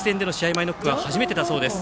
前ノックは初めてだそうです。